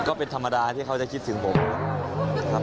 ก็เป็นธรรมดาที่เขาจะคิดถึงผมครับ